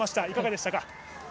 いかがでしたか？